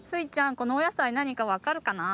このおやさいなにかわかるかな？